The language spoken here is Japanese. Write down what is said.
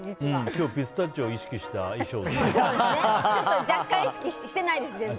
今日、ピスタチオを意識した衣装でしょ。